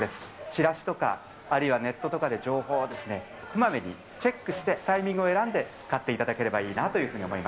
チラシとか、あるいはネットとかで情報をこまめにチェックして、タイミングを選んで買っていただければいいなというふうに思い